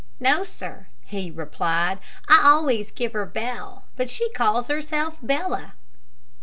"No, sir," he replied; "I always give her Bell, but she calls herself Bella."